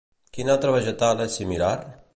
Quin altre vegetal és similar?